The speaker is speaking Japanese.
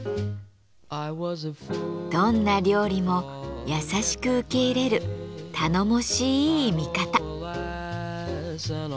どんな料理も優しく受け入れる頼もしい味方。